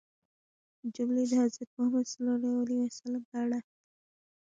جملې د حضرت محمد ﷺ په اړه